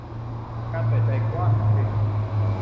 การเปิดใจกว้างจริง